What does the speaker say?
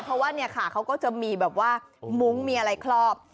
เพราะว่าเนี่ยค่ะเขาก็จะมีแบบว่ามุ้งมีอะไรครอบ